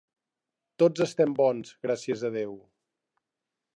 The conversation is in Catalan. Tots estem bons, gràcies a Déu.